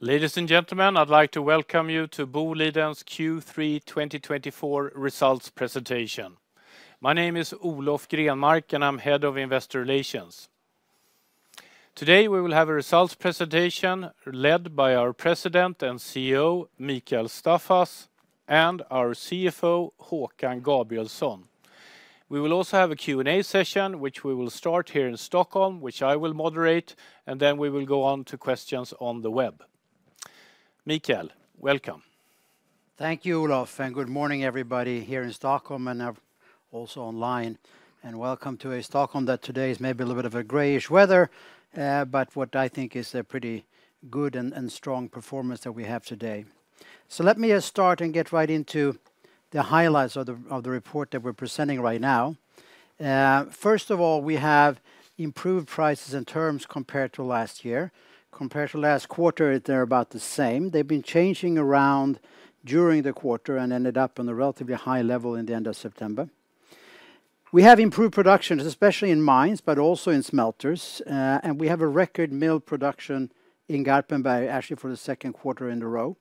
Ladies and gentlemen, I'd like to welcome you to Boliden's Q3 2024 results presentation. My name is Olof Grenmark, and I'm Head of Investor Relations. Today, we will have a results presentation led by our President and CEO, Mikael Staffas, and our CFO, Håkan Gabrielsson. We will also have a Q&A session, which we will start here in Stockholm, which I will moderate, and then we will go on to questions on the web. Mikael, welcome. Thank you, Olof, and good morning everybody here in Stockholm, and also online, and welcome to a Stockholm that today is maybe a little bit of a grayish weather, but what I think is a pretty good and strong performance that we have today, so let me just start and get right into the highlights of the report that we're presenting right now. First of all, we have improved prices and terms compared to last year. Compared to last quarter, they're about the same. They've been changing around during the quarter and ended up on a relatively high level in the end of September. We have improved production, especially in mines, but also in smelters, and we have a record mill production in Garpenberg, actually for the second quarter in a row.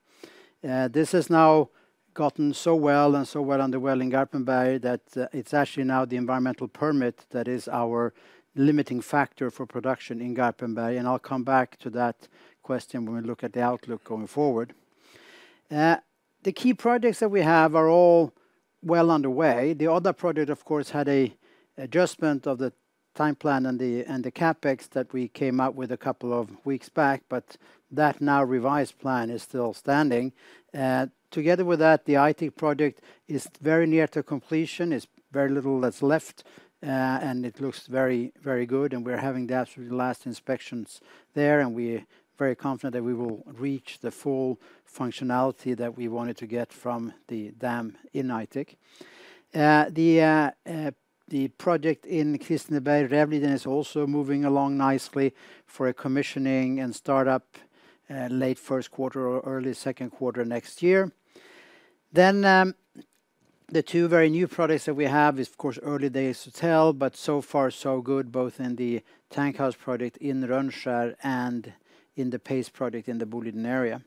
This has now gotten so well underway in Garpenberg that, it's actually now the environmental permit that is our limiting factor for production in Garpenberg, and I'll come back to that question when we look at the outlook going forward. The key projects that we have are all well underway. The other project, of course, had an adjustment of the time plan and the, and the CapEx that we came out with a couple of weeks back, but that now revised plan is still standing. Together with that, the Aitik project is very near to completion. It's very little that's left, and it looks very, very good, and we're having the absolutely last inspections there, and we're very confident that we will reach the full functionality that we wanted to get from the dam in Aitik. The project in Kristineberg, Rävliden, is also moving along nicely for a commissioning and startup, late first quarter or early second quarter next year. Then, the two very new projects that we have is, of course, early days to tell, but so far so good, both in the tank house project in Rönnskär and in the Paste project in the Boliden Area.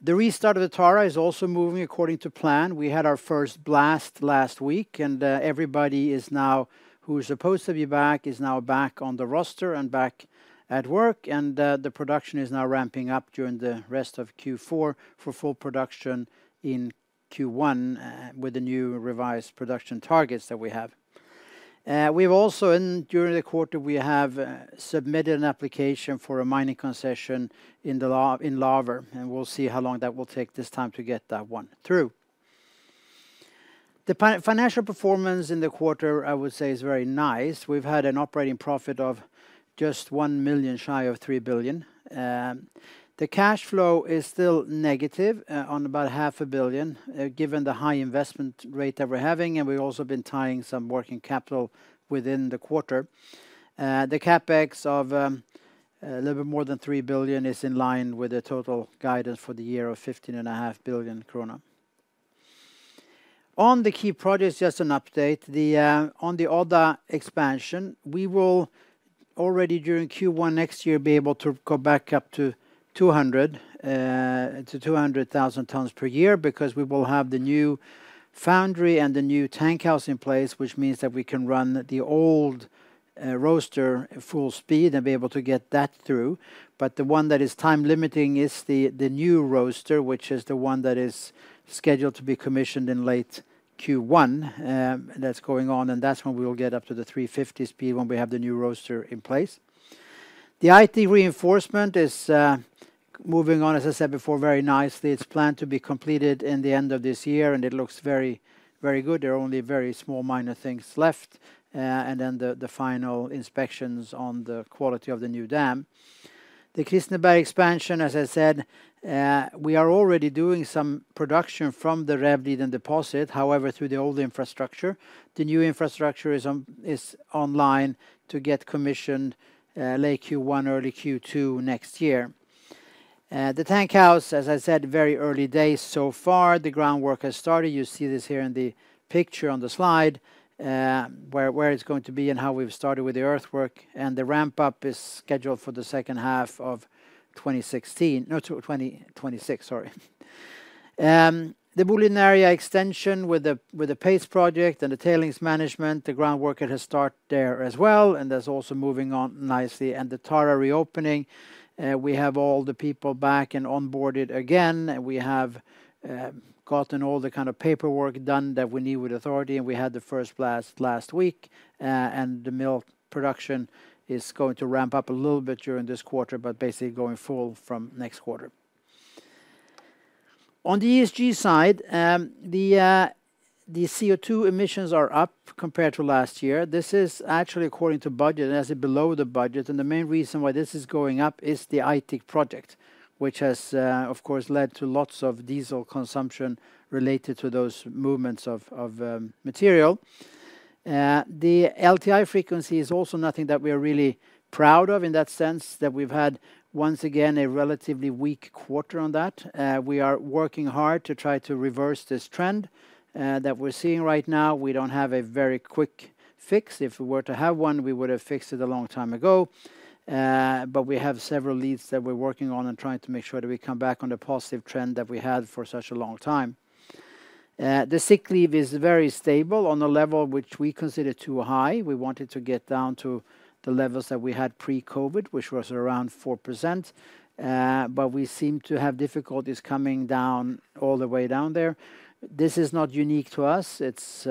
The restart of the Tara is also moving according to plan. We had our first blast last week, and, everybody is now, who is supposed to be back, is now back on the roster and back at work, and, the production is now ramping up during the rest of Q4 for full production in Q1, with the new revised production targets that we have. We've also, during the quarter, we have submitted an application for a mining concession in Laver, and we'll see how long that will take this time to get that one through. The financial performance in the quarter, I would say, is very nice. We've had an operating profit of just 1 million shy of 3 billion. The cash flow is still negative on about 500 million, given the high investment rate that we're having, and we've also been tying some working capital within the quarter. The CapEx of a little bit more than 3 billion is in line with the total guidance for the year of 15.5 billion krona. On the key projects, just an update, the on the Odda expansion, we will already, during Q1 next year, be able to go back up to 200,000 tons per year because we will have the new foundry and the new tank house in place, which means that we can run the old roaster at full speed and be able to get that through. But the one that is time limiting is the new roaster, which is the one that is scheduled to be commissioned in late Q1. That's going on, and that's when we will get up to the 350 speed when we have the new roaster in place. The Aitik reinforcement is moving on, as I said before, very nicely. It's planned to be completed in the end of this year, and it looks very, very good. There are only very small minor things left, and then the final inspections on the quality of the new dam. The Kristineberg expansion, as I said, we are already doing some production from the Rävliden deposit, however, through the old infrastructure. The new infrastructure is online to get commissioned, late Q1, early Q2 next year. The tank house, as I said, very early days so far. The groundwork has started. You see this here in the picture on the slide, where it's going to be and how we've started with the earthwork, and the ramp-up is scheduled for the second half of 2016 - no, 2026, sorry. The Boliden Area extension with the Paste project and the tailings management, the groundwork has started there as well, and that's also moving on nicely. And the Tara reopening, we have all the people back and onboarded again, and we have gotten all the kind of paperwork done that we need with authority, and we had the first blast last week, and the mill production is going to ramp up a little bit during this quarter, but basically going full from next quarter. On the ESG side, the CO2 emissions are up compared to last year. This is actually according to budget, and it's below the budget, and the main reason why this is going up is the Aitik project, which has, of course, led to lots of diesel consumption related to those movements of material. The LTI frequency is also nothing that we are really proud of in that sense, that we've had, once again, a relatively weak quarter on that. We are working hard to try to reverse this trend that we're seeing right now. We don't have a very quick fix. If we were to have one, we would have fixed it a long time ago, but we have several leads that we're working on and trying to make sure that we come back on the positive trend that we had for such a long time. The sick leave is very stable on a level which we consider too high. We want it to get down to the levels that we had pre-COVID, which was around 4%. But we seem to have difficulties coming down, all the way down there. This is not unique to us. It's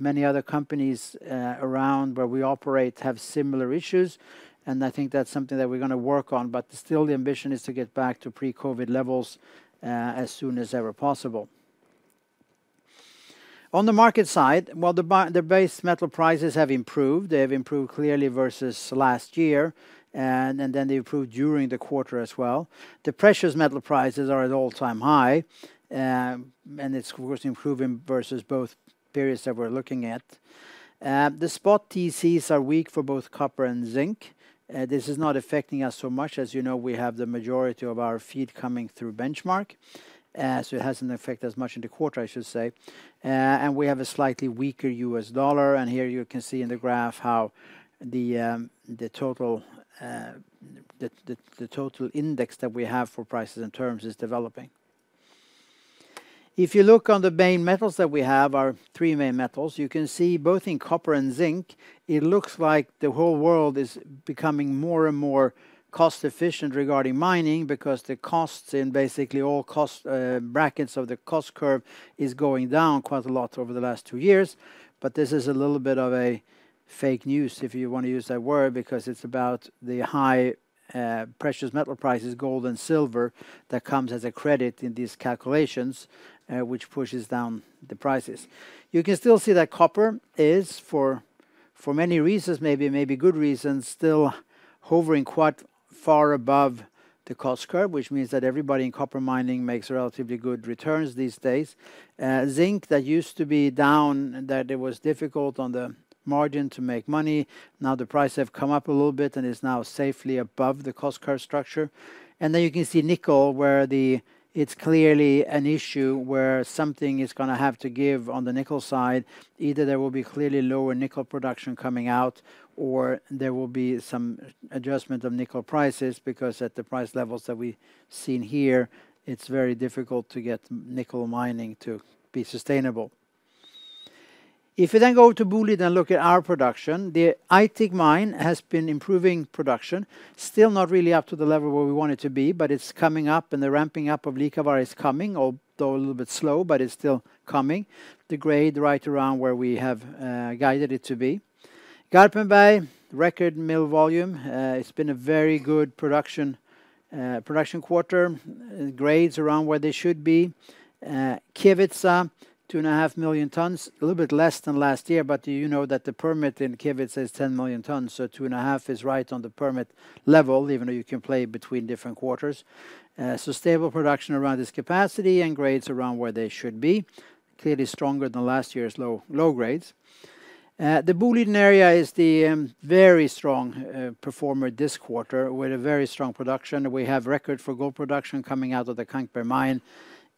many other companies around where we operate have similar issues, and I think that's something that we're gonna work on. But still the ambition is to get back to pre-COVID levels, as soon as ever possible. On the market side, the base metal prices have improved. They have improved clearly versus last year, and then they improved during the quarter as well. The precious metal prices are at all-time high, and it's of course, improving versus both periods that we're looking at. The spot TCs are weak for both copper and zinc. This is not affecting us so much. As you know, we have the majority of our feed coming through benchmark. So it hasn't affected us much in the quarter, I should say. And we have a slightly weaker U.S. dollar, and here you can see in the graph how the total index that we have for prices and terms is developing. If you look on the main metals that we have, our three main metals, you can see both in copper and zinc, it looks like the whole world is becoming more and more cost-efficient regarding mining, because the costs in basically all cost brackets of the cost curve is going down quite a lot over the last two years. But this is a little bit of a fake news, if you want to use that word, because it's about the high precious metal prices, gold and silver, that comes as a credit in these calculations, which pushes down the prices. You can still see that copper is for many reasons, maybe good reasons, still hovering quite far above the cost curve, which means that everybody in copper mining makes relatively good returns these days. Zinc, that used to be down, that it was difficult on the margin to make money. Now the price have come up a little bit and is now safely above the cost curve structure. Then you can see nickel, where it's clearly an issue where something is gonna have to give on the nickel side. Either there will be clearly lower nickel production coming out, or there will be some adjustment of nickel prices, because at the price levels that we've seen here, it's very difficult to get nickel mining to be sustainable. If you then go to Boliden and look at our production, the Aitik mine has been improving production. Still not really up to the level where we want it to be, but it's coming up, and the ramping up of Liikavaara is coming, although a little bit slow, but it's still coming. The grade right around where we have guided it to be. Garpenberg, record mill volume. It's been a very good production quarter. Grades around where they should be. Kevitsa, 2.5 million tons, a little bit less than last year, but you know that the permit in Kevitsa is 10 million tons, so 2.5 is right on the permit level, even though you can play between different quarters. So stable production around this capacity and grades around where they should be. Clearly stronger than last year's low, low grades. The Boliden Area is the very strong performer this quarter, with a very strong production. We have record for gold production coming out of the Kankberg mine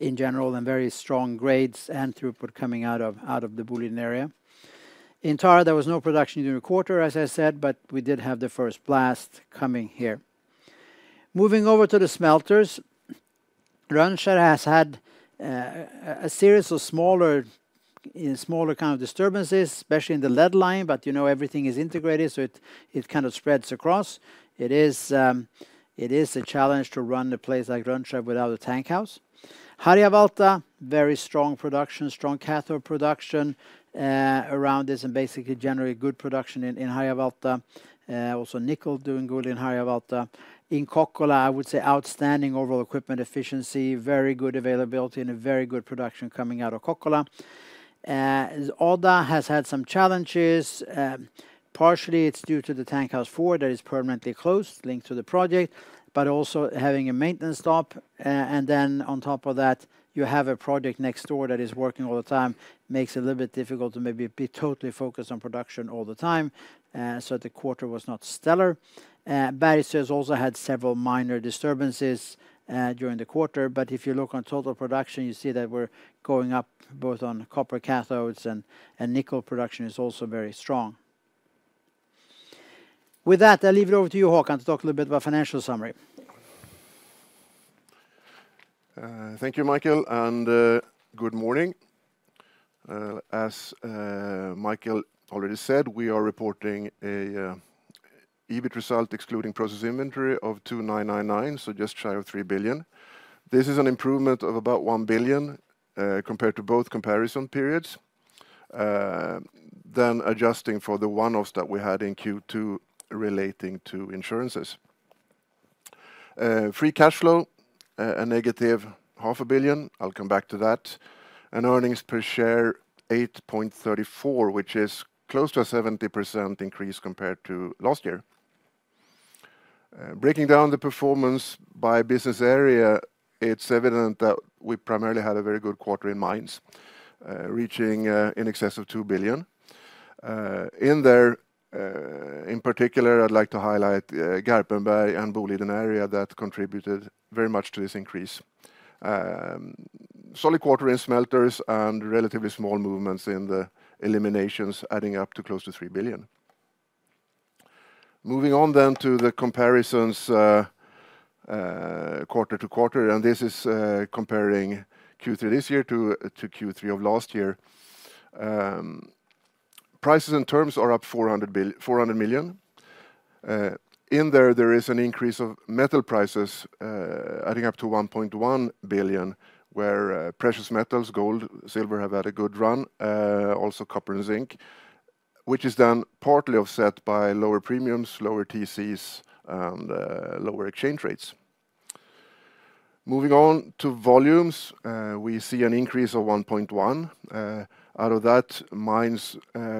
in general, and very strong grades and throughput coming out of the Boliden Area. In Tara, there was no production during the quarter, as I said, but we did have the first blast coming here. Moving over to the smelters, Rönnskär has had a series of smaller kind of disturbances, especially in the lead line, but you know everything is integrated, so it kind of spreads across. It is a challenge to run a place like Rönnskär without a tank house. Harjavalta, very strong production, strong cathode production around this, and basically generally good production in Harjavalta. Also nickel doing good in Harjavalta. In Kokkola, I would say outstanding overall equipment efficiency, very good availability, and a very good production coming out of Kokkola. Odda has had some challenges. Partially, it's due to the tank house four that is permanently closed, linked to the project, but also having a maintenance stop. And then on top of that, you have a project next door that is working all the time. Makes it a little bit difficult to maybe be totally focused on production all the time, so the quarter was not stellar. Bergsöe has also had several minor disturbances during the quarter, but if you look on total production, you see that we're going up both on copper cathodes and, and nickel production is also very strong. With that, I'll leave it over to you, Håkan, to talk a little bit about financial summary. Thank you, Mikael, and good morning. As Mikael already said, we are reporting an EBIT result, excluding process inventory of 2,999,000 so just shy of 3 billion. This is an improvement of about 1 billion compared to both comparison periods, then adjusting for the one-offs that we had in Q2 relating to insurances. Free cash flow, a negative 500 million. I'll come back to that, and earnings per share, 8.34, which is close to a 70% increase compared to last year. Breaking down the performance by business area, it's evident that we primarily had a very good quarter in mines, reaching in excess of 2 billion. In there, in particular, I'd like to highlight Garpenberg and Boliden Area that contributed very much to this increase. Solid quarter in smelters and relatively small movements in the eliminations, adding up to close to 3 billion. Moving on then to the comparisons, quarter to quarter, and this is comparing Q3 this year to Q3 of last year. Prices and terms are up 400 million. In there, there is an increase of metal prices, adding up to 1.1 billion, where precious metals, gold, silver, have had a good run. Also copper and zinc, which is then partly offset by lower premiums, lower TCs, and lower exchange rates. Moving on to volumes, we see an increase of 1.1 billion. Out of that, mines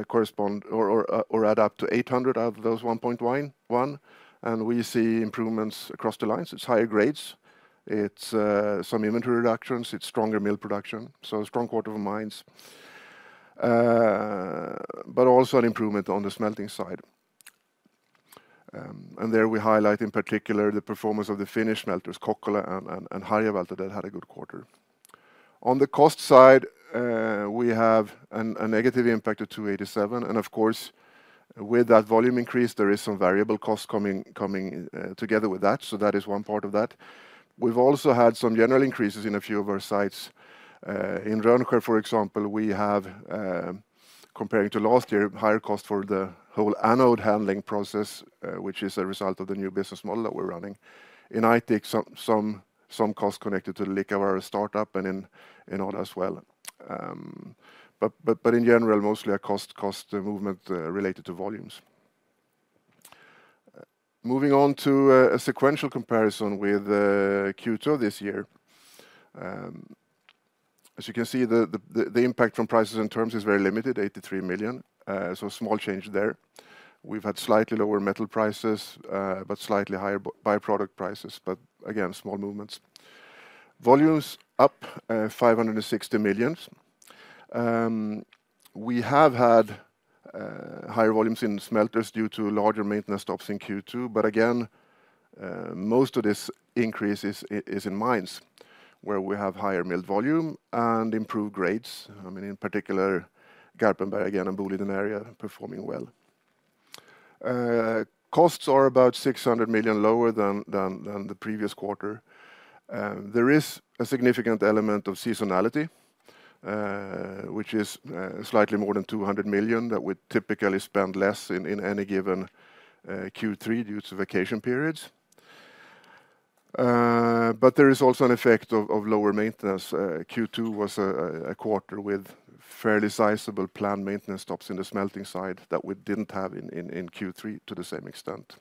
correspond or add up to 800 million out of those 1.1 billion. We see improvements across the lines. It's higher grades. It's some inventory reductions, it's stronger mill production, so a strong quarter for mines. But also an improvement on the smelting side. And there we highlight, in particular, the performance of the Finnish smelters, Kokkola and Harjavalta, that had a good quarter. On the cost side, we have a negative impact of 287, and of course, with that volume increase, there is some variable cost coming together with that, so that is one part of that. We've also had some general increases in a few of our sites. In Rönnskär, for example, we have, comparing to last year, higher cost for the whole anode handling process, which is a result of the new business model that we're running. In Aitik some costs connected to the Liikavaara start-up and in Odda as well. But in general, mostly a cost movement related to volumes. Moving on to a sequential comparison with Q2 this year. As you can see, the impact from prices and terms is very limited, 83 million, so small change there. We've had slightly lower metal prices, but slightly higher by-product prices, but again, small movements. Volumes up, 560 million. We have had higher volumes in smelters due to larger maintenance stops in Q2. But again, most of this increase is in mines, where we have higher mill volume and improved grades. I mean, in particular, Garpenberg again, and Boliden Area performing well. Costs are about 600 million lower than the previous quarter. There is a significant element of seasonality, which is slightly more than 200 million, that we typically spend less in any given Q3 due to vacation periods, but there is also an effect of lower maintenance. Q2 was a quarter with fairly sizable planned maintenance stops in the smelting side that we didn't have in Q3 to the same extent,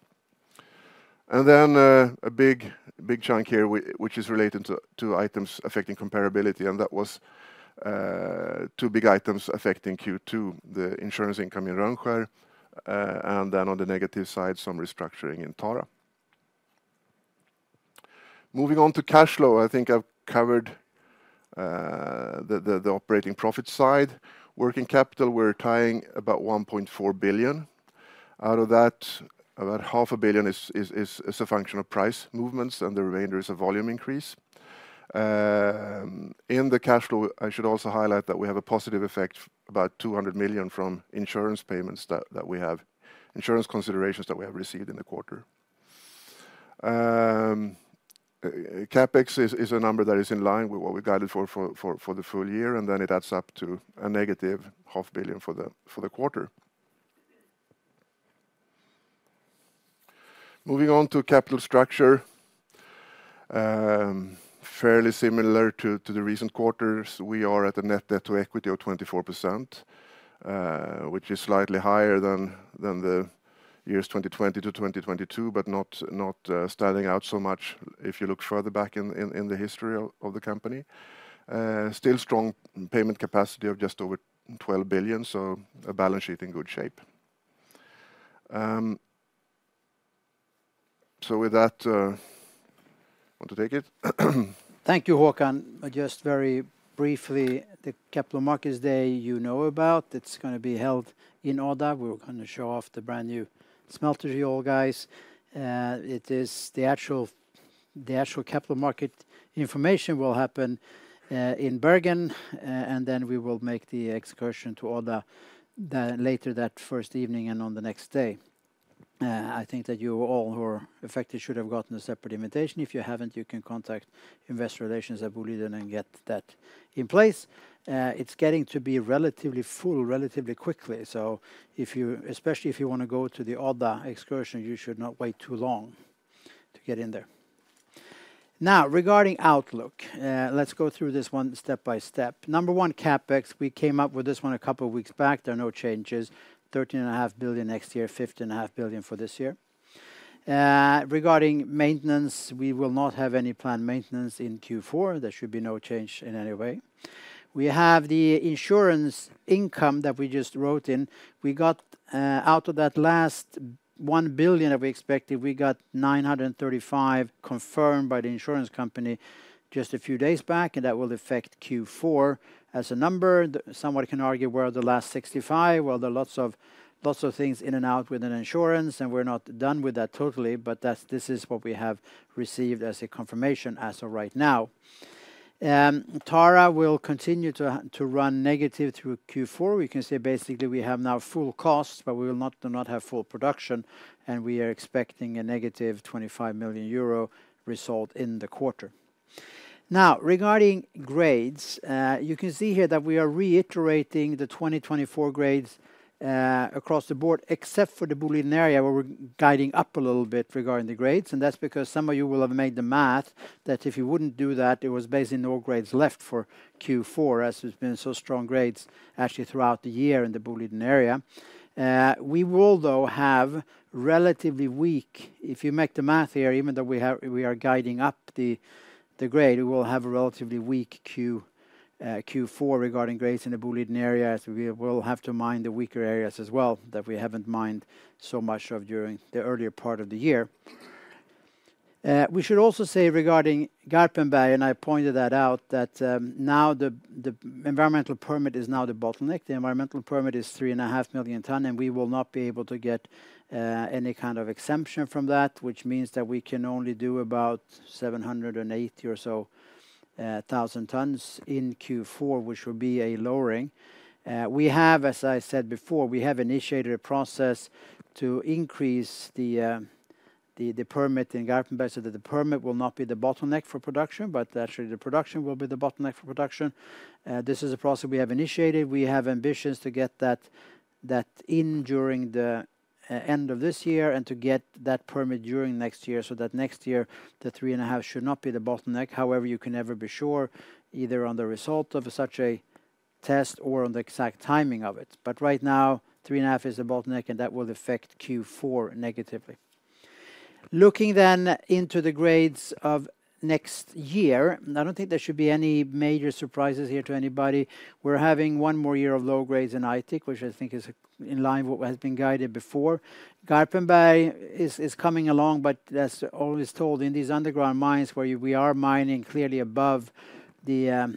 and then a big chunk here which is related to items affecting comparability, and that was two big items affecting Q2: the insurance income in Rönnskär, and then on the negative side, some restructuring in Tara. Moving on to cash flow, I think I've covered the operating profit side. Working capital, we're tying about 1.4 billion. Out of that, about 500 million is a function of price movements, and the remainder is a volume increase. In the cash flow, I should also highlight that we have a positive effect, about 200 million, from insurance payments that we have insurance considerations that we have received in the quarter. CapEx is a number that is in line with what we guided for the full year, and then it adds up to a negative 500 million for the quarter. Moving on to capital structure. Fairly similar to the recent quarters. We are at a net debt to equity of 24%, which is slightly higher than the years 2020 to 2022, but not standing out so much if you look further back in the history of the company. Still strong payment capacity of just over 12 billion, so a balance sheet in good shape. So with that, want to take it? Thank you, Håkan. Just very briefly, the Capital Markets Day, you know about. It's gonna be held in Odda. We're gonna show off the brand-new smelter to you all, guys. It is the actual capital market information will happen in Bergen, and then we will make the excursion to Odda later that first evening and on the next day. I think that you all who are affected should have gotten a separate invitation. If you haven't, you can contact Investor Relations at Boliden and get that in place. It's getting to be relatively full relatively quickly, so especially if you want to go to the Odda excursion, you should not wait too long to get in there. Now, regarding outlook, let's go through this one step by step. Number one, CapEx. We came up with this one a couple of weeks back. There are no changes. 13.5 billion next year, 15.5 billion for this year. Regarding maintenance, we will not have any planned maintenance in Q4. There should be no change in any way. We have the insurance income that we just wrote in. We got out of that last 1 billion that we expected, we got 935 million confirmed by the insurance company just a few days back, and that will affect Q4. As a number, someone can argue, "Where are the last 65?" Well, there are lots of, lots of things in and out with an insurance, and we're not done with that totally, but that's this is what we have received as a confirmation as of right now. Tara will continue to run negative through Q4. We can say basically we have now full costs, but we will not, do not have full production, and we are expecting a negative 25 million euro result in the quarter. Now, regarding grades, you can see here that we are reiterating the 2024 grades across the board, except for the Boliden Area, where we're guiding up a little bit regarding the grades, and that's because some of you will have made the math, that if you wouldn't do that, there was basically no grades left for Q4, as there's been so strong grades actually throughout the year in the Boliden Area. We will though have relatively weak. If you make the math here, even though we are guiding up the grade, we will have a relatively weak Q4 regarding grades in the Boliden Area, as we will have to mine the weaker areas as well, that we haven't mined so much of during the earlier part of the year. We should also say regarding Garpenberg, and I pointed that out, that now the environmental permit is now the bottleneck. The environmental permit is 3.5 million tons, and we will not be able to get any kind of exemption from that, which means that we can only do about 780 or so, thousand tons in Q4, which will be a lowering. We have, as I said before, we have initiated a process to increase the permit in Garpenberg, so that the permit will not be the bottleneck for production, but actually the production will be the bottleneck for production. This is a process we have initiated. We have ambitions to get that in during the end of this year and to get that permit during next year, so that next year, the 3.5 should not be the bottleneck. However, you can never be sure either on the result of such a test or on the exact timing of it. But right now, 3.5 is the bottleneck, and that will affect Q4 negatively. Looking then into the grades of next year, and I don't think there should be any major surprises here to anybody. We're having one more year of low grades in Aitik, which I think is in line with what has been guided before. Garpenberg is coming along, but as always told, in these underground mines, where we are mining clearly above the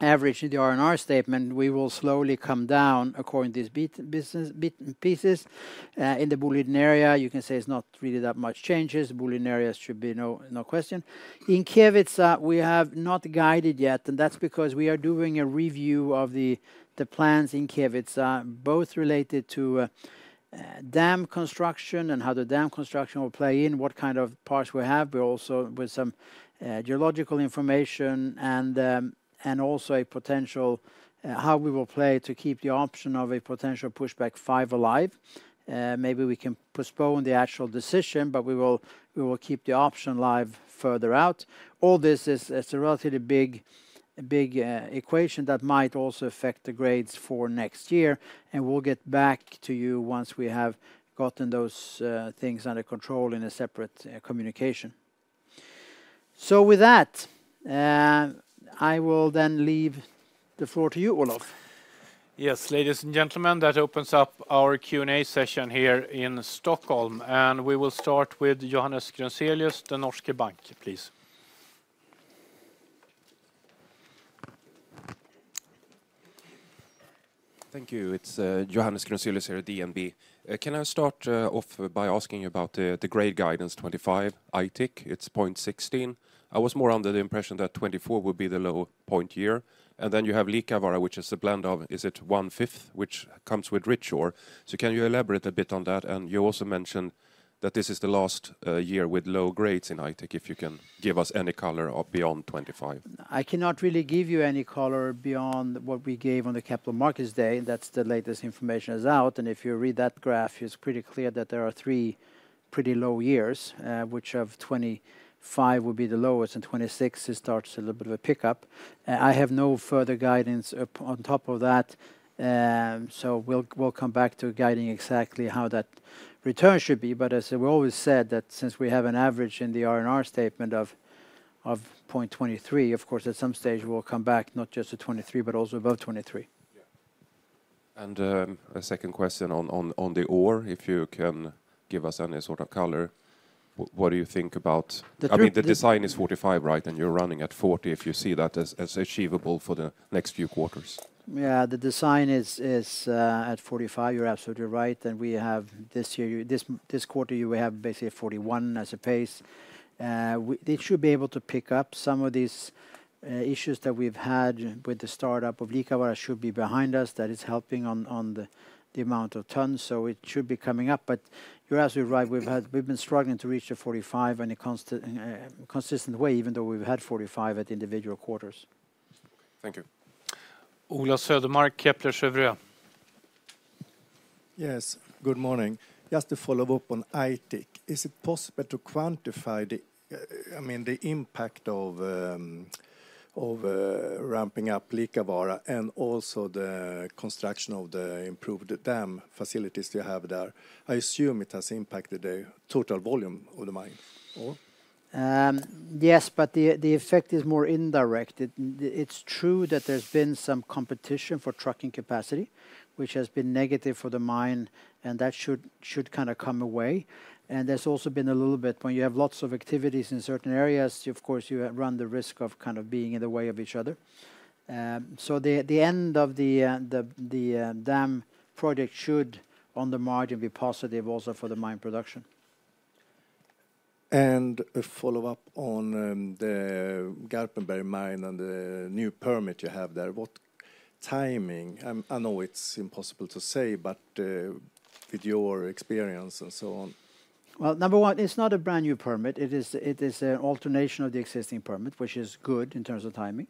average in the R&R statement, we will slowly come down according to these bit by bit pieces. In the Boliden Area, you can say it's not really that much changes. Boliden Area should be no question. In Kevitsa, we have not guided yet, and that's because we are doing a review of the plans in Kevitsa, both related to dam construction and how the dam construction will play in, what kind of parts we have, but also with some geological information and also a potential how we will play to keep the option of a potential Pushback 5 alive. Maybe we can postpone the actual decision, but we will keep the option live further out. All this is, it's a relatively big equation that might also affect the grades for next year, and we'll get back to you once we have gotten those things under control in a separate communication. So with that, I will then leave the floor to you, Olof. Yes, ladies and gentlemen, that opens up our Q&A session here in Stockholm, and we will start with Johannes Grunselius, DNB Bank, please. Thank you. It's Johannes Grunselius here at DNB. Can I start off by asking you about the grade guidance 2025, Aitik? It's 0.16. I was more under the impression that 2024 would be the low point year. And then you have Liikavaara, which is a blend of, is it 1/5, which comes with rich ore. So can you elaborate a bit on that? And you also mentioned that this is the last year with low grades in Aitik, if you can give us any color of beyond 2025? I cannot really give you any color beyond what we gave on the Capital Markets Day. That's the latest information is out, and if you read that graph, it's pretty clear that there are three pretty low years, which of 2025 will be the lowest, and 2026, it starts a little bit of a pickup. I have no further guidance up on top of that. So we'll come back to guiding exactly how that return should be. But as we always said, that since we have an average in the R&R statement of 0.23, of course, at some stage, we will come back not just to 0.23, but also above 0.23. Yeah. A second question on the ore, if you can give us any sort of color, what do you think about, I mean, the design is 45, right, and you're running at 40, if you see that as achievable for the next few quarters. Yeah, the design is at 45. You're absolutely right, and we have this year, this quarter, you have basically a 41 as a pace. It should be able to pick up some of these issues that we've had with the startup of Liikavaara should be behind us. That is helping on the amount of tons, so it should be coming up. But you're absolutely right. We've been struggling to reach a 45 in a consistent way, even though we've had 45 at individual quarters. Thank you. Ola Södermark, Kepler Cheuvreux. Yes, good morning. Just to follow up on Aitik, is it possible to quantify the, I mean, the impact of ramping up Liikavaara and also the construction of the improved dam facilities you have there? I assume it has impacted the total volume of the mine. Or? Yes, but the effect is more indirect. It's true that there's been some competition for trucking capacity, which has been negative for the mine, and that should kind of come away. There's also been a little bit, when you have lots of activities in certain areas, of course, you run the risk of kind of being in the way of each other. So the end of the dam project should, on the margin, be positive also for the mine production. And a follow-up on the Garpenberg mine and the new permit you have there, what timing? I know it's impossible to say, but with your experience and so on. Number one, it's not a brand-new permit. It is an alteration of the existing permit, which is good in terms of timing.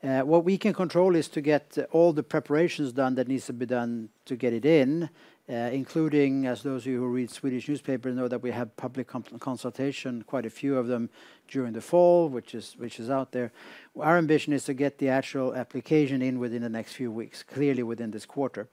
What we can control is to get all the preparations done that needs to be done to get it in, including, as those of you who read Swedish newspapers know, that we have public consultation, quite a few of them, during the fall, which is out there. Our ambition is to get the actual application in within the next few weeks, clearly within this quarter.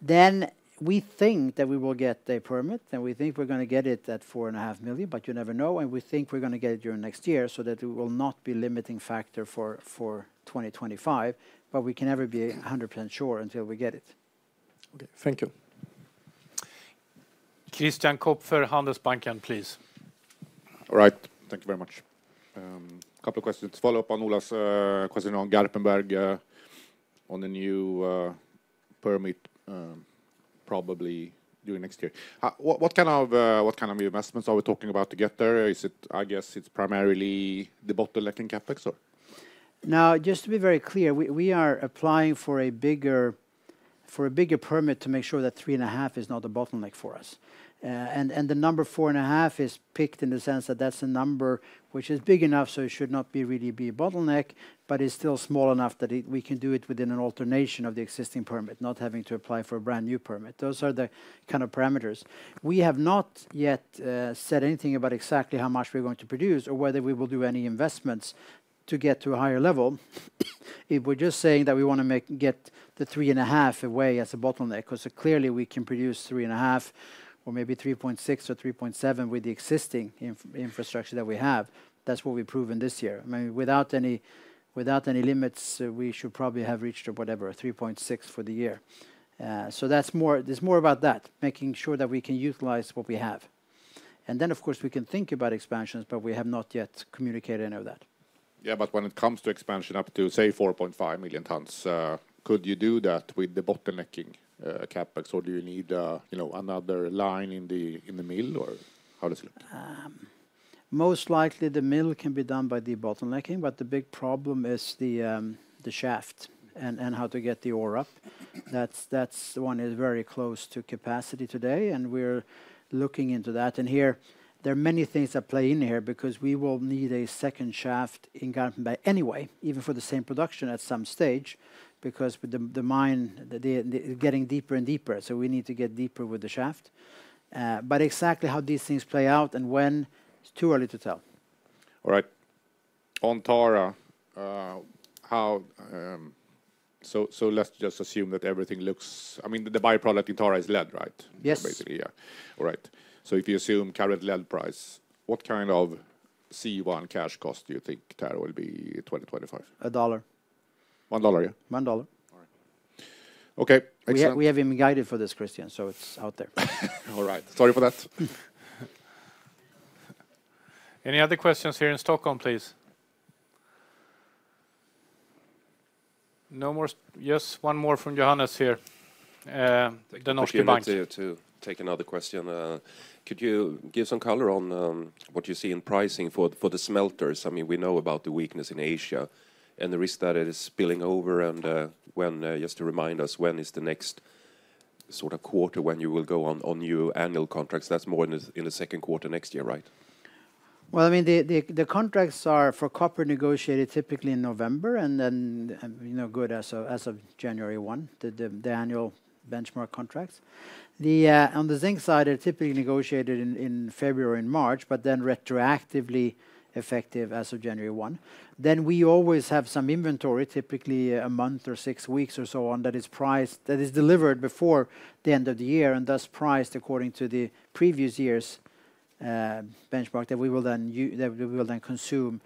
Then we think that we will get the permit, and we think we're gonna get it at 4.5 million, but you never know, and we think we're gonna get it during next year so that it will not be limiting factor for 2025, but we can never be 100% sure until we get it. Okay. Thank you. Christian Kopfer, Handelsbanken, please. All right. Thank you very much. Couple of questions. Follow up on Ola's question on Garpenberg, on the new permit, probably during next year. What kind of investments are we talking about to get there? Is it, I guess it's primarily the bottleneck in CapEx, or? Now, just to be very clear, we are applying for a bigger permit to make sure that 3.5 is not a bottleneck for us. And the 4.5 is picked in the sense that that's a number which is big enough, so it should not really be a bottleneck, but it's still small enough that we can do it within an alteration of the existing permit, not having to apply for a brand-new permit. Those are the kind of parameters. We have not yet said anything about exactly how much we're going to produce or whether we will do any investments to get to a higher level. We're just saying that we want to get the 3.5 away as a bottleneck, 'cause clearly we can produce 3.5 or maybe 3.6 or 3.7 with the existing infrastructure that we have. That's what we've proven this year. I mean, without any limits, we should probably have reached, or whatever, 3.6 for the year. So that's more about that, making sure that we can utilize what we have. And then, of course, we can think about expansions, but we have not yet communicated any of that. Yeah, but when it comes to expansion up to, say, 4.5 million tons, could you do that with the bottlenecking CapEx, or do you need, you know, another line in the, in the mill, or how does it look? Most likely, the mill can be done by the bottlenecking, but the big problem is the shaft and how to get the ore up. That's the one that is very close to capacity today, and we're looking into that. Here, there are many things that play in here because we will need a second shaft in Garpenberg anyway, even for the same production at some stage, because the mine getting deeper and deeper, so we need to get deeper with the shaft. But exactly how these things play out and when, it's too early to tell. All right. On Tara, so let's just assume that everything looks. I mean, the by-product in Tara is lead, right? Yes. Basically, yeah. All right. So if you assume current lead price, what kind of C1 cash cost do you think Tara will be in twenty twenty-five? A dollar. $1, yeah? One dollar. All right. Okay, excellent. We have even guided for this, Christian, so it's out there. All right. Sorry for that. Any other questions here in Stockholm, please? No more? Yes, one more from Johannes here, DNB Bank. Thank you. To take another question, could you give some color on what you see in pricing for the smelters? I mean, we know about the weakness in Asia and the risk that it is spilling over. And, when, just to remind us, when is the next sort of quarter when you will go on new annual contracts? That's more in the second quarter next year, right? I mean, the contracts are for copper negotiated typically in November, and then, you know, good as of January one, the annual benchmark contracts. On the zinc side, they're typically negotiated in February and March, but then retroactively effective as of January, 1. Then we always have some inventory, typically a month or six weeks or so on, that is delivered before the end of the year, and thus, priced according to the previous year's benchmark, that we will then consume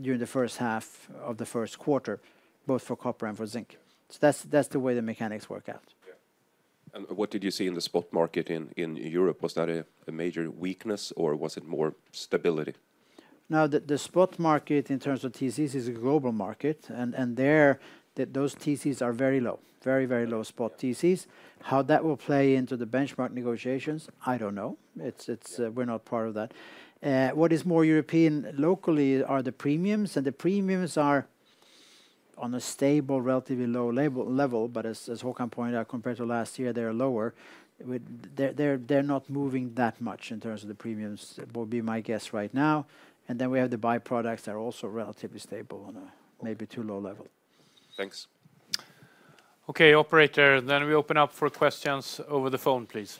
during the first half of the first quarter, both for copper and for zinc. So that's the way the mechanics work out. Yeah. What did you see in the spot market in Europe? Was that a major weakness, or was it more stability? Now, the spot market, in terms of TCs, is a global market, and there, those TCs are very low. Very, very low spot TCs. How that will play into the benchmark negotiations, I don't know. We're not part of that. What is more European locally are the premiums, and the premiums are on a stable, relatively low level. But as Håkan pointed out, compared to last year, they're lower. They're not moving that much in terms of the premiums, would be my guess right now. And then we have the byproducts that are also relatively stable on a maybe too low level. Thanks. Okay, operator, then we open up for questions over the phone, please.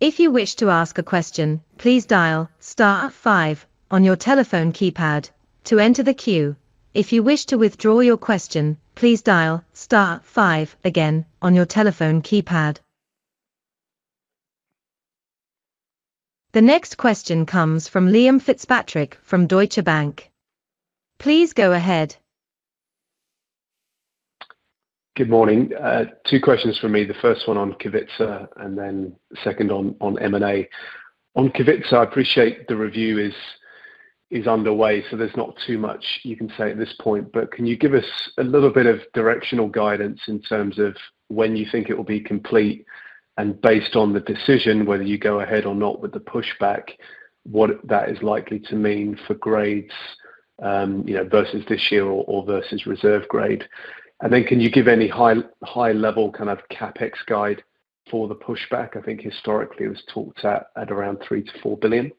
If you wish to ask a question, please dial star five on your telephone keypad to enter the queue. If you wish to withdraw your question, please dial star five again on your telephone keypad. The next question comes from Liam Fitzpatrick from Deutsche Bank. Please go ahead. Good morning. Two questions from me, the first one on Kevitsa, and then the second on, on M&A. On Kevitsa, I appreciate the review is underway, so there's not too much you can say at this point. But can you give us a little bit of directional guidance in terms of when you think it will be complete, and based on the decision, whether you go ahead or not with the Pushback, what that is likely to mean for grades, you know, versus this year or versus reserve grade? And then can you give any high-level kind of CapEx guide for the Pushback? I think historically it was talked at around 3 billion-4 billion.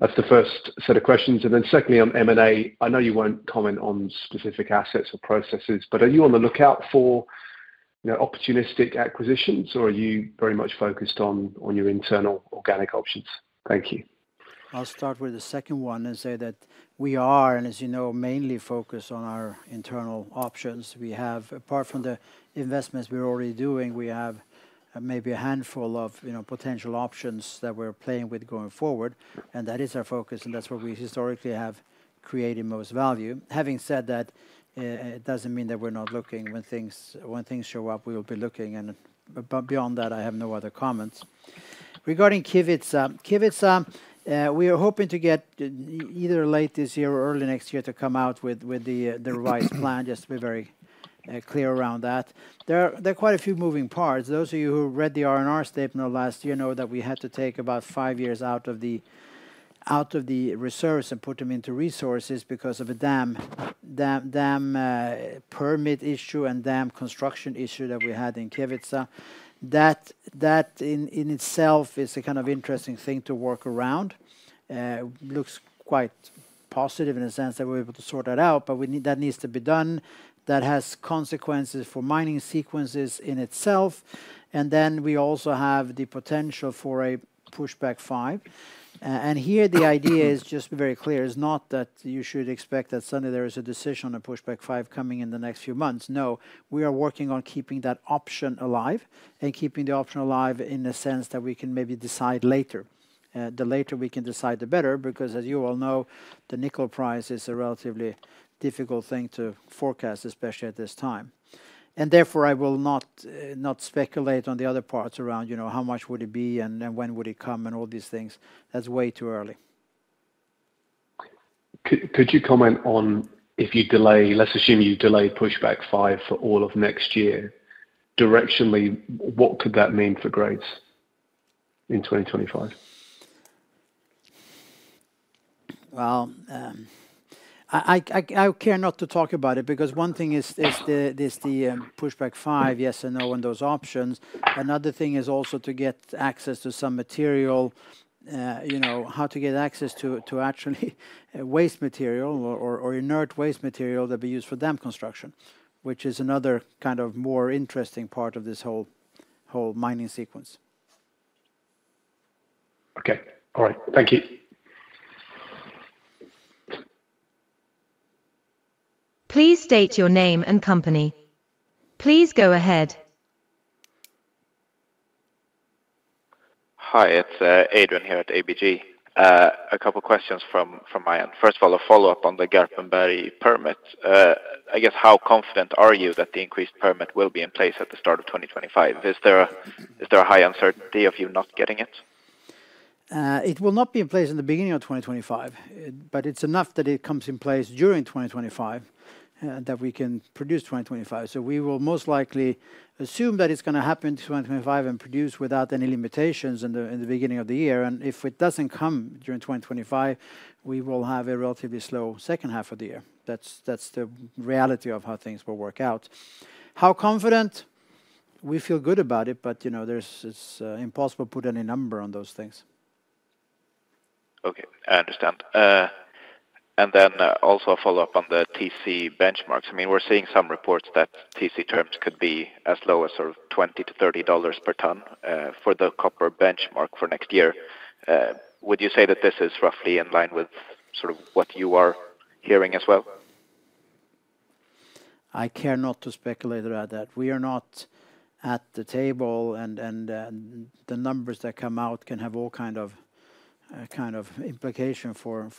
That's the first set of questions. And then secondly, on M&A, I know you won't comment on specific assets or processes, but are you on the lookout for, you know, opportunistic acquisitions, or are you very much focused on your internal organic options? Thank you. I'll start with the second one and say that we are, and as you know, mainly focused on our internal options. We have, apart from the investments we're already doing, we have maybe a handful of, you know, potential options that we're playing with going forward, and that is our focus, and that's where we historically have created most value. Having said that, it doesn't mean that we're not looking. When things show up, we will be looking, and but beyond that, I have no other comments. Regarding Kevitsa. Kevitsa, we are hoping to get either late this year or early next year to come out with the right plan, just to be very clear around that. There are quite a few moving parts. Those of you who read the R&R statement of last year know that we had to take about five years out of the reserves and put them into resources because of a dam permit issue and dam construction issue that we had in Kevitsa. That in itself is a kind of interesting thing to work around. Looks quite positive in the sense that we're able to sort that out, but that needs to be done. That has consequences for mining sequences in itself. And then we also have the potential for a Pushback 5. And here, the idea is, just to be very clear, is not that you should expect that suddenly there is a decision on Pushback 5 coming in the next few months. No, we are working on keeping that option alive, and keeping the option alive in the sense that we can maybe decide later. The later we can decide, the better, because as you all know, the nickel price is a relatively difficult thing to forecast, especially at this time. And therefore, I will not speculate on the other parts around, you know, how much would it be and when would it come, and all these things. That's way too early. Let's assume you delay Pushback 5 for all of next year. Directionally, what could that mean for grades in 2025? I care not to talk about it, because one thing is the Pushback 5, yes and no on those options. Another thing is also to get access to some material, you know, how to get access to actually waste material or inert waste material that we use for dam construction, which is another kind of more interesting part of this whole mining sequence. Okay. All right. Thank you. Please state your name and company. Please go ahead. Hi, it's Adrian here at ABG. A couple of questions from my end. First of all, a follow-up on the Garpenberg permit. I guess, how confident are you that the increased permit will be in place at the start of 2025? Is there a high uncertainty of you not getting it? It will not be in place in the beginning of 2025, but it's enough that it comes in place during 2025, that we can produce 2025. So we will most likely assume that it's gonna happen 2025 and produce without any limitations in the beginning of the year, and if it doesn't come during 2025, we will have a relatively slow second half of the year. That's the reality of how things will work out. How confident? We feel good about it, but, you know, there's, it's, impossible to put any number on those things. Okay, I understand. And then also a follow-up on the TC benchmarks. I mean, we're seeing some reports that TC terms could be as low as sort of $20-$30 per ton for the copper benchmark for next year. Would you say that this is roughly in line with sort of what you are hearing as well? I care not to speculate about that. We are not at the table, and the numbers that come out can have all kind of implication for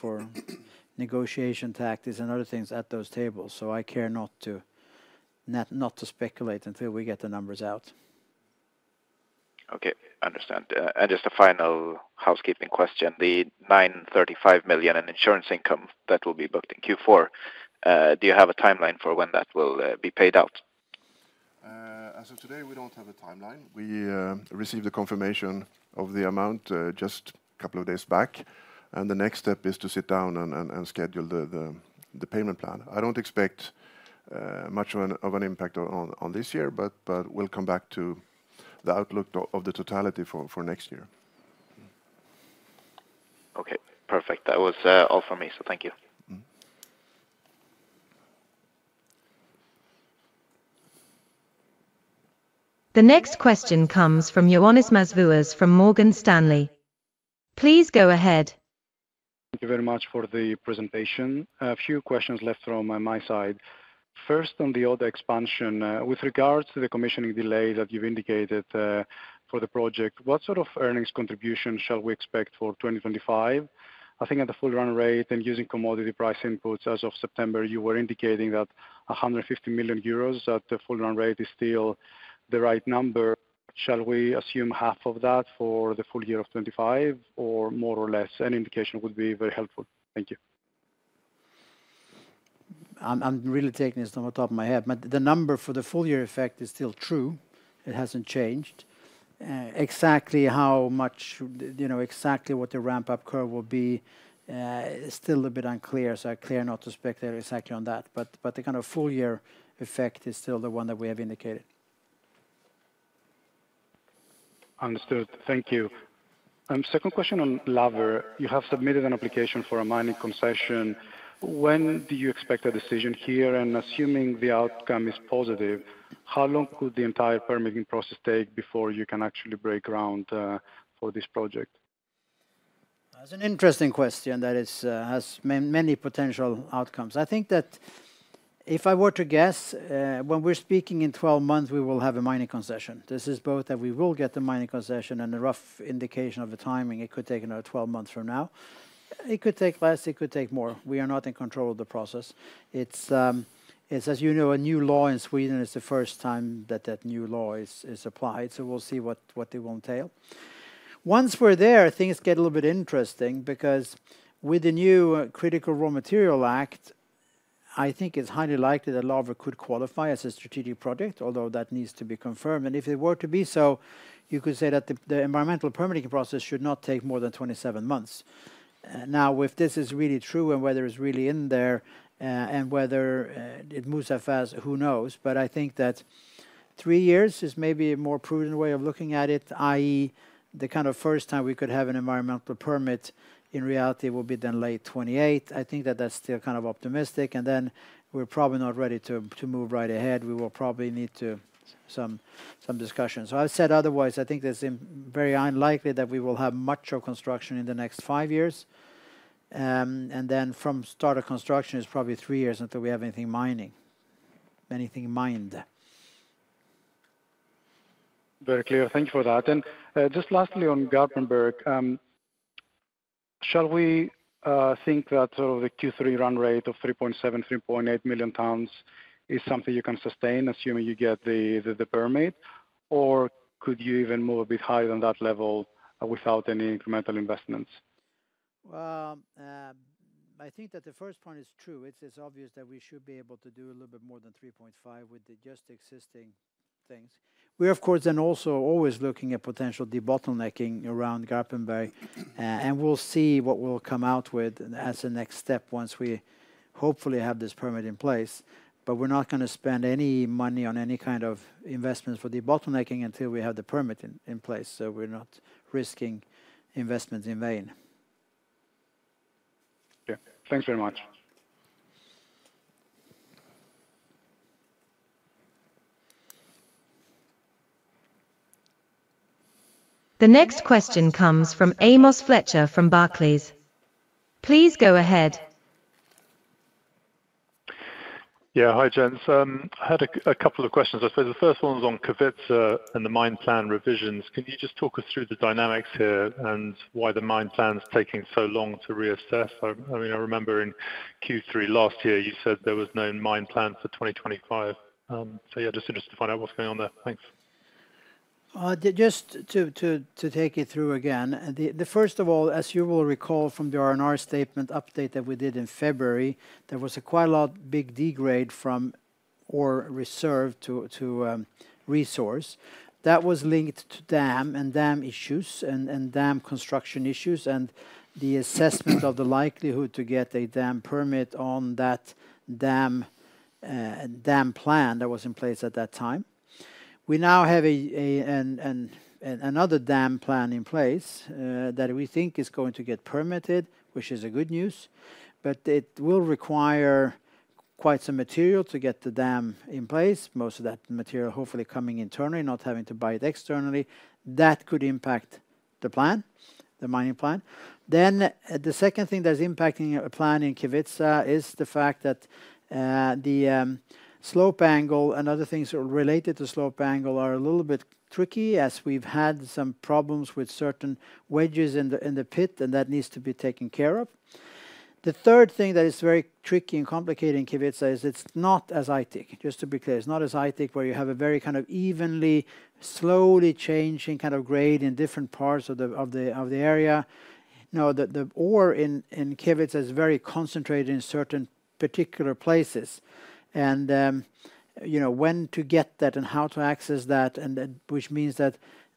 negotiation tactics and other things at those tables. So I care not to speculate until we get the numbers out. Okay, understand. And just a final housekeeping question: the 935 million in insurance income that will be booked in Q4, do you have a timeline for when that will be paid out? As of today, we don't have a timeline. We received the confirmation of the amount just a couple of days back, and the next step is to sit down and schedule the payment plan. I don't expect much of an impact on this year, but we'll come back to the outlook of the totality for next year. Okay, perfect. That was all for me, so thank you. The next question comes from Ioannis Masvoulas from Morgan Stanley. Please go ahead. Thank you very much for the presentation. A few questions left from my side. First, on the Odda expansion, with regards to the commissioning delay that you've indicated, for the project, what sort of earnings contribution shall we expect for 2025? I think at the full run rate and using commodity price inputs as of September, you were indicating that 150 million euros at the full run rate is still the right number. Shall we assume half of that for the full year of 2025, or more or less? Any indication would be very helpful. Thank you. I'm really taking this from the top of my head, but the number for the full year effect is still true. It hasn't changed. Exactly how much, you know, exactly what the ramp-up curve will be, is still a bit unclear, so I'm clear not to speculate exactly on that, but the kind of full year effect is still the one that we have indicated. Understood. Thank you. Second question on Laver. You have submitted an application for a mining concession. When do you expect a decision here? And assuming the outcome is positive, how long could the entire permitting process take before you can actually break ground, for this project? That's an interesting question that is, has many potential outcomes. I think that if I were to guess, when we're speaking in 12 months, we will have a mining concession. This is both that we will get the mining concession and a rough indication of the timing. It could take another 12 months from now. It could take less, it could take more. We are not in control of the process. It's, as you know, a new law in Sweden. It's the first time that that new law is applied, so we'll see what it will entail. Once we're there, things get a little bit interesting because with the new Critical Raw Materials Act, I think it's highly likely that Laver could qualify as a strategic project, although that needs to be confirmed. If it were to be so, you could say that the environmental permitting process should not take more than 27 months. Now, if this is really true and whether it's really in there, and whether it moves as fast, who knows? But I think that three years is maybe a more prudent way of looking at it, i.e., the kind of first time we could have an environmental permit in reality will be then late 2028. I think that that's still kind of optimistic, and then we're probably not ready to move right ahead. We will probably need to some discussions. So I said otherwise, I think it's very unlikely that we will have much of construction in the next five years. And then from start of construction, it's probably three years until we have anything mining, anything mined. Very clear. Thank you for that. And just lastly, on Garpenberg, shall we think that the Q3 run rate of 3.7 million-3.8 million tons is something you can sustain, assuming you get the permit? Or could you even move a bit higher than that level without any incremental investments? I think that the first point is true. It's obvious that we should be able to do a little bit more than 3.5 with the just existing things. We, of course, then also always looking at potential debottlenecking around Garpenberg, and we'll see what we'll come out with as a next step once we hopefully have this permit in place. But we're not gonna spend any money on any kind of investment for debottlenecking until we have the permit in place, so we're not risking investments in vain. Yeah. Thanks very much. The next question comes from Amos Fletcher from Barclays. Please go ahead. Yeah, hi, gents. I had a couple of questions. I suppose the first one is on Kevitsa and the mine plan revisions. Can you just talk us through the dynamics here and why the mine plan is taking so long to reassess? I mean, I remember in Q3 last year, you said there was no mine plan for 2025. So yeah, just to find out what's going on there. Thanks. Just to take you through again, the first of all, as you will recall from the R&R statement update that we did in February, there was a quite a lot big degrade from ore reserve to resource. That was linked to dam issues and dam construction issues, and the assessment of the likelihood to get a dam permit on that dam plan that was in place at that time. We now have another dam plan in place, that we think is going to get permitted, which is good news, but it will require quite some material to get the dam in place. Most of that material, hopefully coming internally, not having to buy it externally. That could impact the plan, the mining plan. Then, the second thing that is impacting a plan in Kevitsa is the fact that, the slope angle and other things related to slope angle are a little bit tricky, as we've had some problems with certain wedges in the pit, and that needs to be taken care of. The third thing that is very tricky and complicated in Kevitsa is it's not as Aitik, just to be clear. It's not as Aitik, where you have a very kind of evenly, slowly changing kind of grade in different parts of the area. Now, the ore in Kevitsa is very concentrated in certain particular places, and you know when to get that and how to access that, and then which means that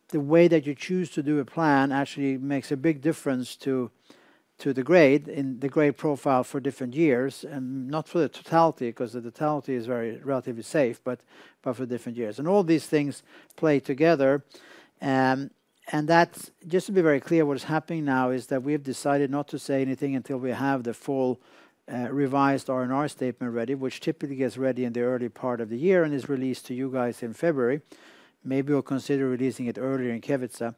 the way that you choose to do a plan actually makes a big difference to the grade in the grade profile for different years, and not for the totality, 'cause the totality is very relatively safe, but for different years, and all these things play together, and that's just to be very clear, what is happening now is that we have decided not to say anything until we have the full revised R&R statement ready, which typically gets ready in the early part of the year and is released to you guys in February. Maybe we'll consider releasing it earlier in Kevitsa.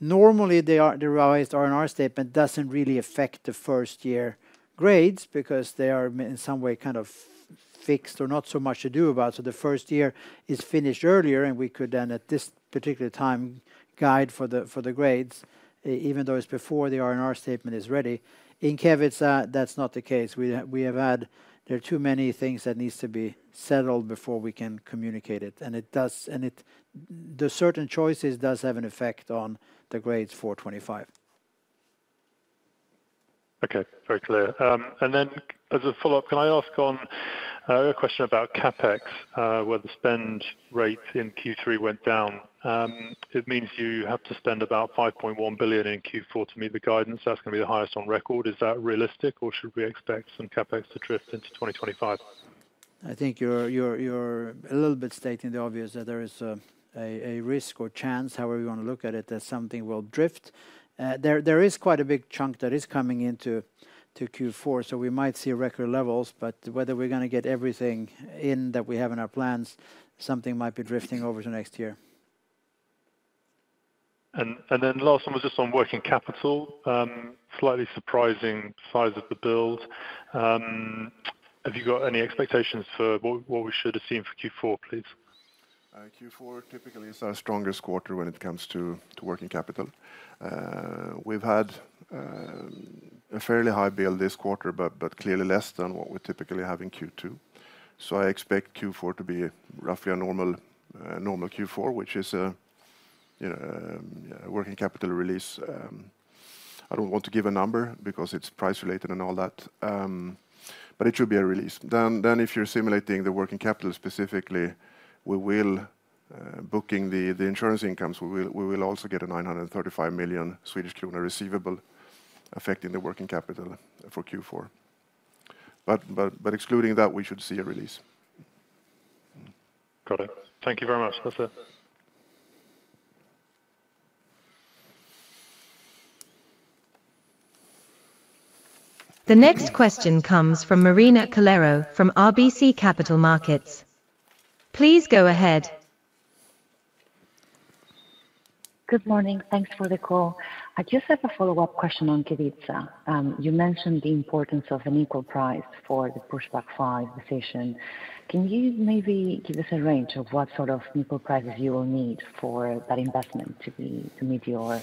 Normally, the revised R&R statement doesn't really affect the first-year grades because they are in some way, kind of fixed or not so much to do about, so the first year is finished earlier, and we could then, at this particular time, guide for the grades, even though it's before the R&R statement is ready. In Kevitsa, that's not the case. We have had there are too many things that needs to be settled before we can communicate it, and it does, and it the certain choices does have an effect on the grades for 2025. Okay, very clear. And then as a follow-up, can I ask on a question about CapEx, where the spend rate in Q3 went down? It means you have to spend about 5.1 billion in Q4 to meet the guidance. That's gonna be the highest on record. Is that realistic, or should we expect some CapEx to drift into 2025? I think you're a little bit stating the obvious, that there is a risk or chance, however you wanna look at it, that something will drift. There is quite a big chunk that is coming into Q4, so we might see record levels, but whether we're gonna get everything in that we have in our plans, something might be drifting over to next year. And then last one was just on working capital. Slightly surprising size of the build. Have you got any expectations for what we should have seen for Q4, please? Q4 typically is our strongest quarter when it comes to working capital. We've had a fairly high build this quarter, but clearly less than what we typically have in Q2. So I expect Q4 to be roughly a normal Q4, which is a, you know, working capital release. I don't want to give a number because it's price-related and all that, but it should be a release. Then if you're simulating the working capital specifically, we will booking the insurance incomes, we will also get a 935 million Swedish kronor receivable affecting the working capital for Q4. But excluding that, we should see a release. Got it. Thank you very much. That's it. The next question comes from Marina Calero from RBC Capital Markets. Please go ahead. Good morning. Thanks for the call. I just have a follow-up question on Kevitsa. You mentioned the importance of a nickel price for the Pushback 5 decision. Can you maybe give us a range of what sort of nickel prices you will need for that investment to meet your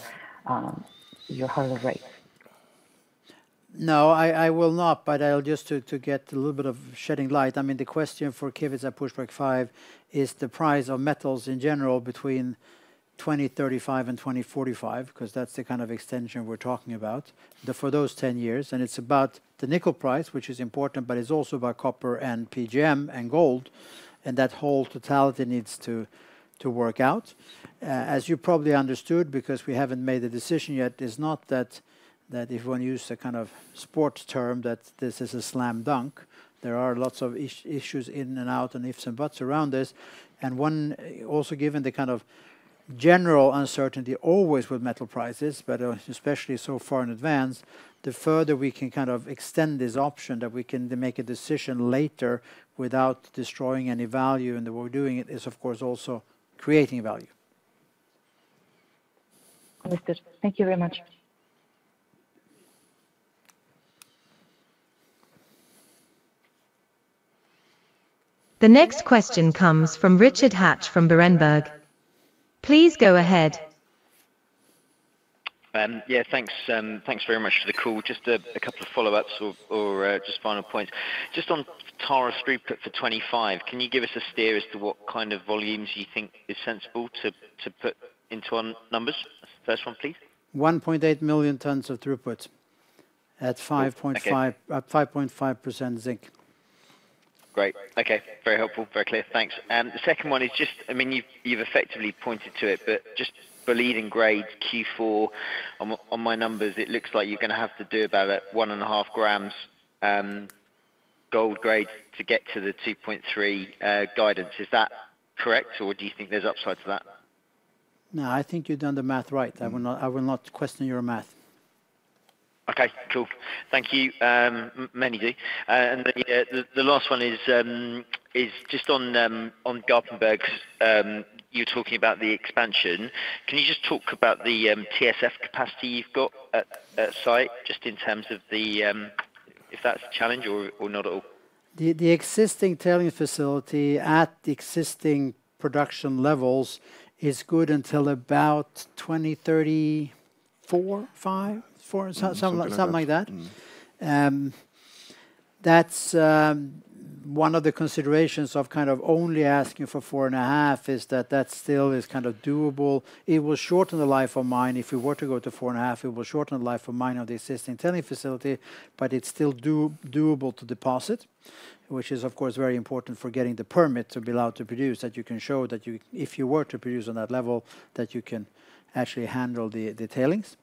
hurdle rate? No, I will not, but I'll just to get a little bit of shedding light. I mean, the question for Kevitsa Pushback 5 is the price of metals in general between 2035 and 2045, 'cause that's the kind of extension we're talking about for those ten years. And it's about the nickel price, which is important, but it's also about copper and PGM and gold, and that whole totality needs to work out. As you probably understood, because we haven't made a decision yet, it's not that if one used a kind of sports term, that this is a slam dunk. There are lots of issues in and out, and ifs and buts around this. And one, also given the kind of general uncertainty always with metal prices, but especially so far in advance, the further we can kind of extend this option, that we can then make a decision later without destroying any value, and the way we're doing it is, of course, also creating value. All is good. Thank you very much. The next question comes from Richard Hatch from Berenberg. Please go ahead. Yeah, thanks, thanks very much for the call. Just a couple of follow-ups or just final points. Just on Tara's throughput for 2025, can you give us a steer as to what kind of volumes you think is sensible to put into our numbers? First one, please. 1.8 million tons of throughput at 5.5% zinc. Great. Okay, very helpful. Very clear. Thanks. The second one is just, I mean, you've effectively pointed to it, but just for leading grades, Q4, on my numbers, it looks like you're gonna have to do about one and a half grams gold grade to get to the two point three guidance. Is that correct, or do you think there's upside to that? No, I think you've done the math right. I will not, I will not question your math. Okay, cool. Thank you, many do. And then the last one is just on Garpenberg you talking about the expansion. Can you just talk about the TSF capacity you’ve got at site, just in terms of if that’s a challenge or not at all? The existing tailings facility at the existing production levels is good until about 2034-2035, something like that. That's one of the considerations of kind of only asking for 4.5, is that that still is kind of doable. It will shorten the life of mine. If we were to go to four and a half, it will shorten the life of mine on the existing tailings facility, but it's still doable to deposit, which is, of course, very important for getting the permit to be allowed to produce, that you can show that if you were to produce on that level, that you can actually handle the tailings.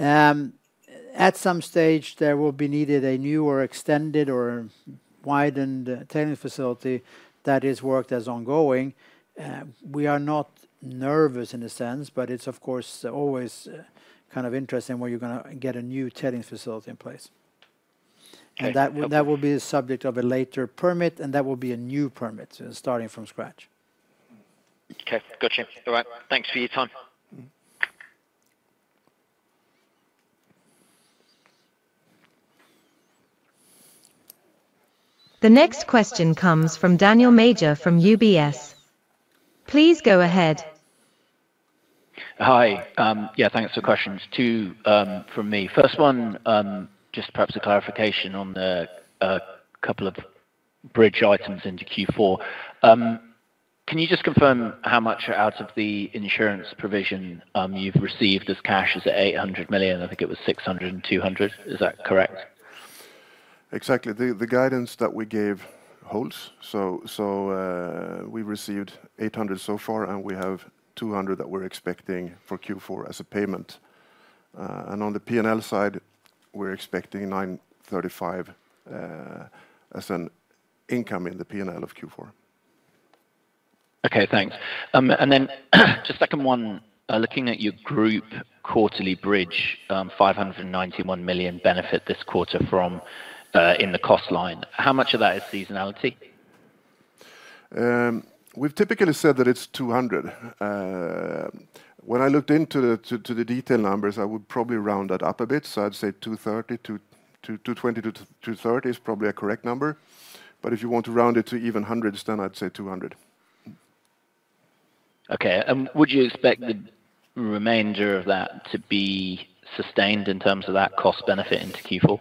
At some stage, there will be needed a new or extended or widened tailings facility. That is work that's ongoing. We are not nervous in a sense, but it's of course always kind of interesting where you're gonna get a new tailings facility in place. That will be the subject of a later permit, and that will be a new permit, starting from scratch. Okay, gotcha. All right. Thanks for your time. The next question comes from Daniel Major from UBS. Please go ahead. Hi. Yeah, thanks for questions. Two, from me. First one, just perhaps a clarification on the couple of bridge items into Q4. Can you just confirm how much out of the insurance provision you've received as cash? Is it 800 million? I think it was 600 million and 200 million. Is that correct? Exactly. The guidance that we gave holds, so we received 800 million so far, and we have 200 million that we're expecting for Q4 as a payment. And on the P&L side, we're expecting 935 million as an income in the P&L of Q4. Okay, thanks, and then, the second one, looking at your group quarterly bridge, 591 million benefit this quarter from, in the cost line. How much of that is seasonality? We've typically said that it's 200 million. When I looked into the detail numbers, I would probably round that up a bit, so I'd say 220 million-230 million is probably a correct number. But if you want to round it to even hundreds, then I'd say 200 million. Okay. Would you expect the remainder of that to be sustained in terms of that cost benefit into Q4?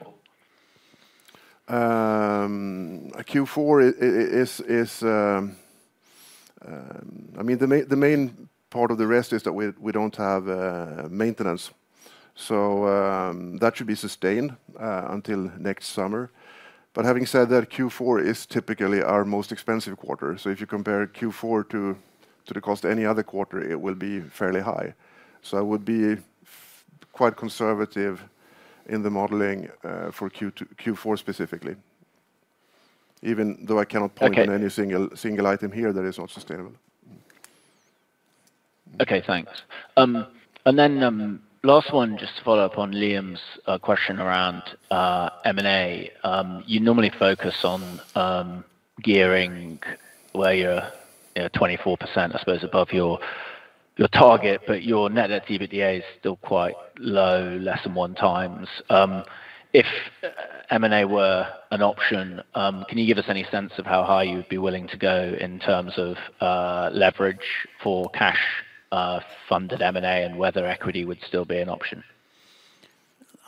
Q4 is, I mean, the main part of the rest is that we don't have maintenance, so that should be sustained until next summer. But having said that, Q4 is typically our most expensive quarter. So if you compare Q4 to the cost of any other quarter, it will be fairly high. So I would be quite conservative in the modeling for Q4 specifically, even though I cannot point any single item here that is not sustainable. Okay, thanks. And then, last one, just to follow up on Liam's question around M&A. You normally focus on gearing where you're, you know, 24%, I suppose, above your target, but your net debt EBITDA is still quite low, less than 1x. If M&A were an option, can you give us any sense of how high you'd be willing to go in terms of leverage for cash funded M&A, and whether equity would still be an option?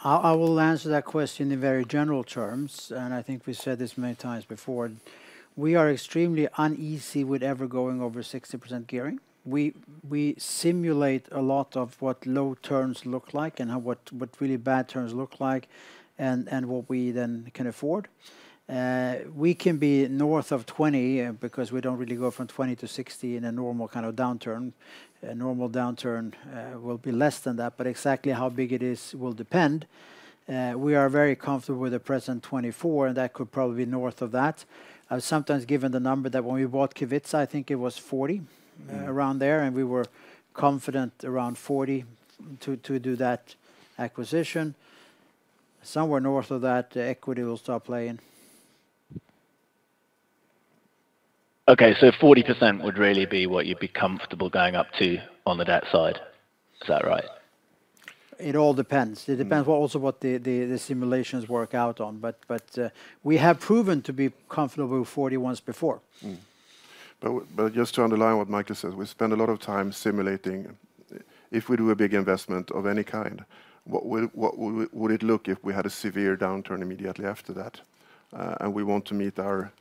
I will answer that question in very general terms, and I think we said this many times before. We are extremely uneasy with ever going over 60% gearing. We simulate a lot of what low turns look like and how what really bad turns look like and what we then can afford. We can be north of 20%, because we don't really go from 20% to 60% in a normal kind of downturn. A normal downturn will be less than that, but exactly how big it is will depend. We are very comfortable with the present 24%, and that could probably be north of that. I've sometimes given the number that when we bought Kevitsa, I think it was 40%, around there, and we were confident around 40% to do that acquisition. Somewhere north of that, the equity will start playing. Okay, so 40% would really be what you'd be comfortable going up to on the debt side. Is that right? It all depends. It depends also what the simulations work out on, but we have proven to be comfortable with 40% once before. But just to underline what Mikael says, we spend a lot of time simulating. If we do a big investment of any kind, what would it look like if we had a severe downturn immediately after that? And we want to meet our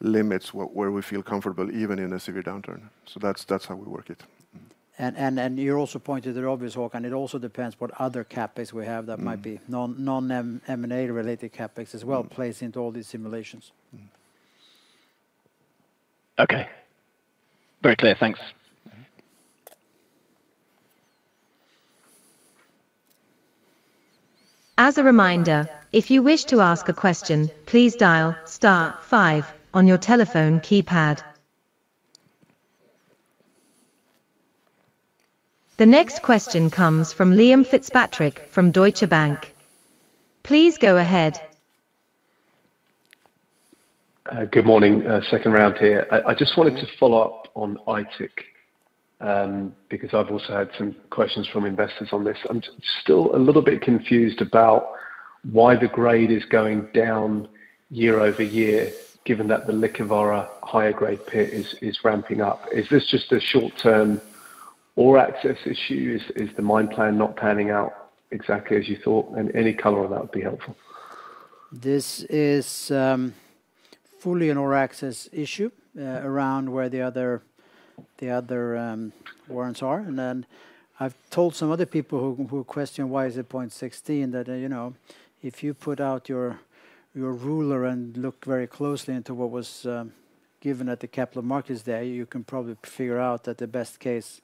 limits where we feel comfortable, even in a severe downturn. So that's how we work it. You also pointed out, obviously, Håkan. It also depends what other CapEx we have that might be non-M&A-related CapEx as well, plays into all these simulations. Okay. Very clear, thanks. As a reminder, if you wish to ask a question, please dial star five on your telephone keypad. The next question comes from Liam Fitzpatrick from Deutsche Bank. Please go ahead. Good morning. Second round here. I just wanted to follow up on Aitik, because I've also had some questions from investors on this. I'm still a little bit confused about why the grade is going down year over year, given that the Liikavaara higher grade pit is ramping up. Is this just a short-term ore access issue? Is the mine plan not panning out exactly as you thought? And any color on that would be helpful. This is fully an ore access issue around where the other workings are. And then, I've told some other people who question why is it 0.16, that, you know, if you put out your ruler and look very closely into what was given at the Capital Markets Day, you can probably figure out that the best case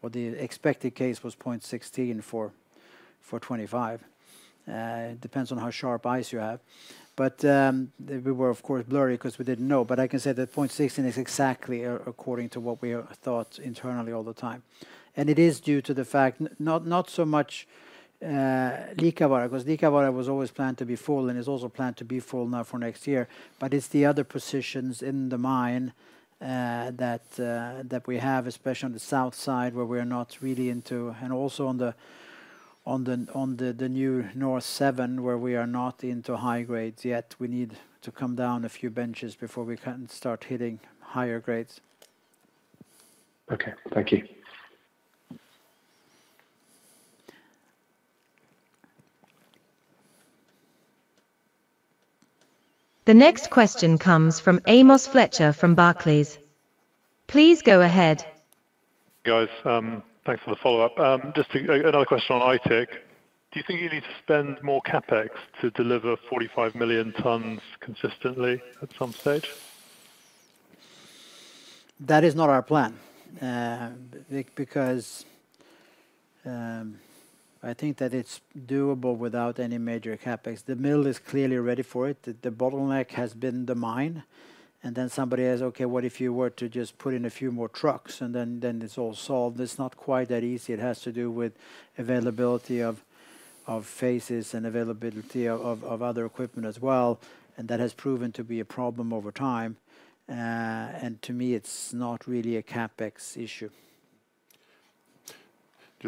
or the expected case was 0.16 for 2025. It depends on how sharp eyes you have. But we were, of course, blurry 'cause we didn't know, but I can say that 0.16 is exactly according to what we thought internally all the time. And it is due to the fact, not so much Liikavaara, because Liikavaara was always planned to be full and is also planned to be full now for next year. But it's the other positions in the mine that we have, especially on the south side, where we're not really into... And also on the new North 7, where we are not into high grades yet. We need to come down a few benches before we can start hitting higher grades. Okay. Thank you. The next question comes from Amos Fletcher from Barclays. Please go ahead. Guys, thanks for the follow-up. Just to... Another question on Aitik. Do you think you need to spend more CapEx to deliver 45 million tons consistently at some stage? That is not our plan, because I think that it's doable without any major CapEx. The mill is clearly ready for it. The bottleneck has been the mine, and then somebody says, "Okay, what if you were to just put in a few more trucks, and then it's all solved?" It's not quite that easy. It has to do with availability of phases and availability of other equipment as well, and that has proven to be a problem over time. And to me, it's not really a CapEx issue.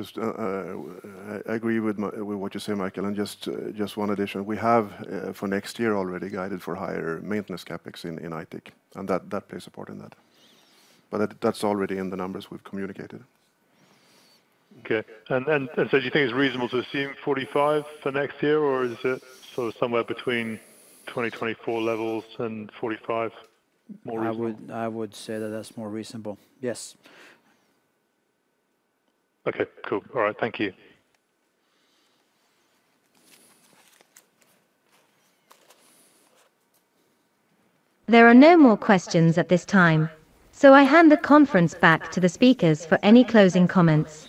Just, I agree with what you say, Mikael, and just one addition. We have, for next year already guided for higher maintenance CapEx in Aitik, and that plays a part in that. But that's already in the numbers we've communicated. Okay. And so do you think it's reasonable to assume 45 million tons for next year, or is it sort of somewhere between 2024 levels and 45 million tons more reasonable? I would say that that's more reasonable. Yes. Okay. Cool. All right, thank you. There are no more questions at this time, so I hand the conference back to the speakers for any closing comments.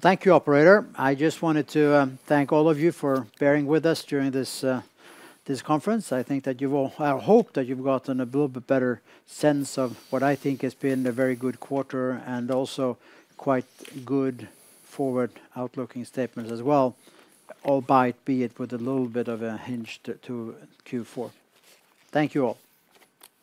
Thank you, operator. I just wanted to thank all of you for bearing with us during this conference. I think that you've all... I hope that you've gotten a little bit better sense of what I think has been a very good quarter and also quite good forward-looking statements as well, albeit be it with a little bit of a hinge to Q4. Thank you, all!